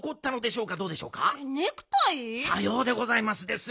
さようでございますです。